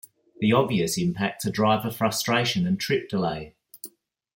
The obvious impacts are driver frustration and trip delay.